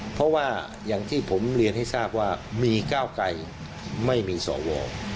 เพราะว่าอย่างที่ผมเรียนให้ทราบว่ามีก้าวไกรไม่มีสว